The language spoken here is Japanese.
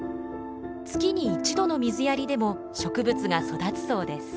月に１度の水やりでも植物が育つそうです。